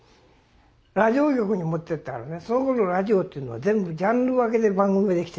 ラジオ局に持ってったらねそのころのラジオっていうのは全部ジャンル分けで番組ができてるわけ。